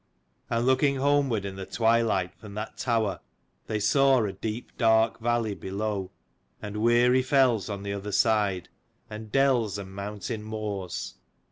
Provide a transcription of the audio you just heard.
And looking homeward in the twilight from that tower, they saw a deep dark valley below, and weary fells on the other side, and dells and mountain moors.